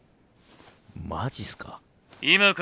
マジっすか。